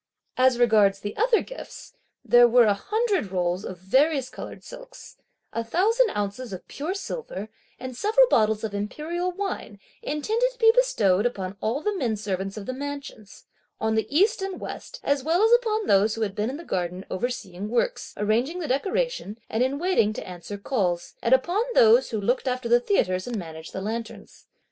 As regards the other gifts, there were a hundred rolls of various coloured silks, a thousand ounces of pure silver, and several bottles of imperial wine, intended to be bestowed upon all the men servants of the mansions, on the East and the West, as well as upon those who had been in the garden overseeing works, arranging the decorations, and in waiting to answer calls, and upon those who looked after the theatres and managed the lanterns.